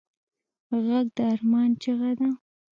غږ د ارمان چیغه ده